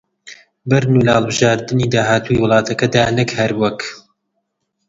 بەرن و لە هەڵبژاردنی داهاتووی وڵاتەکەدا نەک هەر وەک